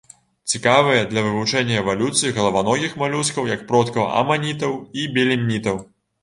Цікавыя для вывучэння эвалюцыі галаваногіх малюскаў як продкаў аманітаў і белемнітаў.